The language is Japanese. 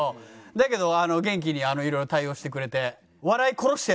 だけど元気に色々対応してくれて。